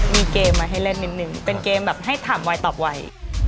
มีเกมมาให้เล่นนิดนึงเป็นเกมแบบให้ถามไวตอบไว